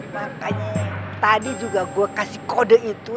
makanya tadi juga gue kasih kode itu